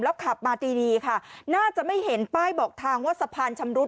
ขับมาดีดีค่ะน่าจะไม่เห็นป้ายบอกทางว่าสะพานชำรุด